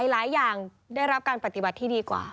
หลายอย่างได้รับการปฏิบัติที่ดีกว่า